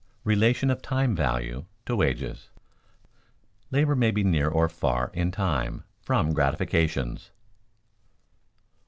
RELATION OF TIME VALUE TO WAGES [Sidenote: Labor may be near or far, in time, from gratifications] 1.